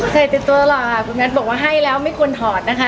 ใส่ติดตัวหล่อค่ะคุณแพทย์บอกว่าให้แล้วไม่ควรถอดนะคะ